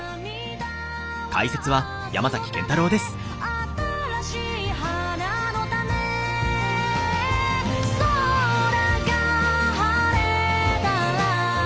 「新しい花の種」「空が晴れたら」